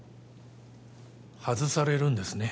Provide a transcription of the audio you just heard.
外されるんですね